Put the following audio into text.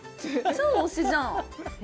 超推しじゃん！